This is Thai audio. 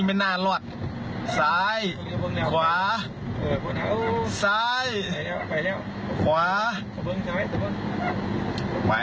ไปแล้วไปแล้ว